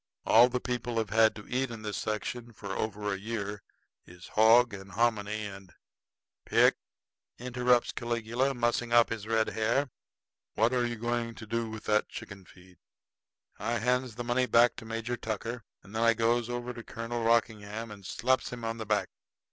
All the people have had to eat in this section for over a year is hog and hominy, and " "Pick," interrupts Caligula, mussing up his red hair, "what are you going to do with that chicken feed?" I hands the money back to Major Tucker; and then I goes over to Colonel Rockingham and slaps him on the back.